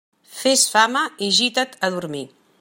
Fes fama i gita't a dormir.